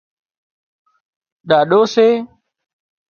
ڏاڏو سي